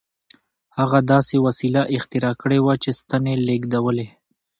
هغه داسې وسیله اختراع کړې وه چې ستنې لېږدولې